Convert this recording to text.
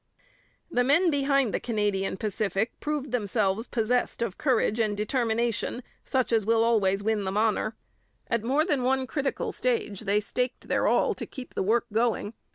The men behind the Canadian Pacific proved themselves possessed of courage and determination such as will always win them honour. At more than one critical stage they staked their all to keep the work going.